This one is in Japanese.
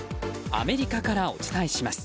アメリカからお伝えします。